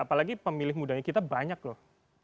apalagi pemilih mudanya kita banyak loh